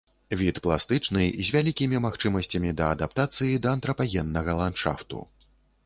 Від пластычны, з вялікімі магчымасцямі да адаптацыі да антрапагеннага ландшафту.